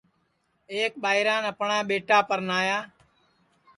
ایک ٻائران اپڻْا ٻیٹا پرڻْايا